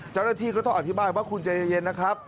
เจ้าหน้าที่ก็ต้องอธิบายว่าคุณใจเย็นนะครับ